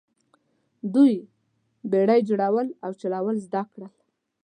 دوی بیړۍ جوړول او چلول زده کړل.